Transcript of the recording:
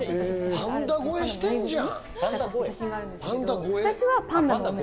パンダ超えしてんじゃん。